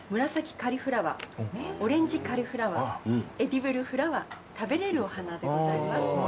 紫カリフラワーオレンジカリフラワーエディブルフラワー食べれるお花でございます。